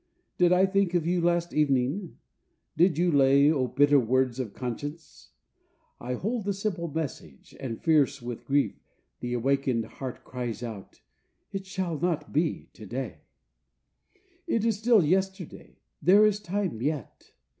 Did I think of you last evening? Dead you lay. O bitter words of conscience! I hold the simple message, And fierce with grief the awakened heart cries out: 'It shall not be to day; It is still yesterday; there is time yet!'